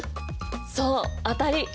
そう当たり！